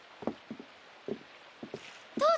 どうぞ。